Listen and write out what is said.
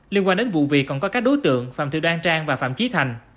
liên quan đến vụ việc còn có các đối tượng phạm thị đoan trang và phạm chí thành